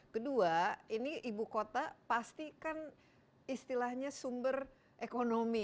kedua ini ibu kota pasti kan istilahnya sumber ekonomi